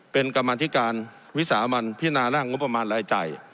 เป็นกรรมธิการวิสามันพินาร่างงบประมาณรายจ่าย